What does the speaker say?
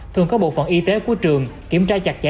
thường có bộ phận y tế của trường kiểm tra chặt chẽ